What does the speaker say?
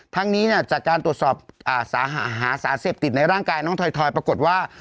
ทั้งนี้เนี่ยจากการตรวจสอบหาสารเสพติดในร่างกายน้องถอยปรากฏว่า